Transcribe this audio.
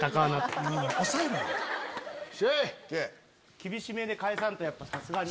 厳しめで返さんとさすがに。